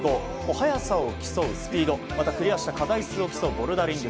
速さを競うスピードまたクリアした課題数を競うボルダリング